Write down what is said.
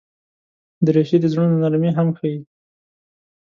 دریشي د زړونو نرمي هم ښيي.